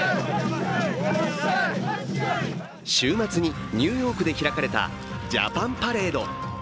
週末にニューヨークで開かれたジャパンパレード。